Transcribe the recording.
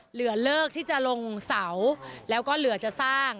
เหลือเลิกที่จะลงเสาแล้วก็เหลือจะสร้าง